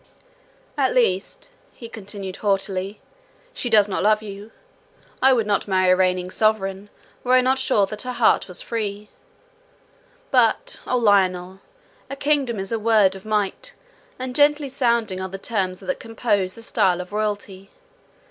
"At least," he continued haughtily, "she does not love you. I would not marry a reigning sovereign, were I not sure that her heart was free. But, O, Lionel! a kingdom is a word of might, and gently sounding are the terms that compose the style of royalty.